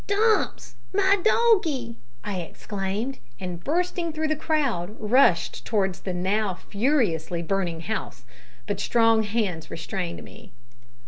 "Dumps! my doggie!" I exclaimed; and, bursting through the crowd, rushed towards the now furiously burning house, but strong hands restrained me.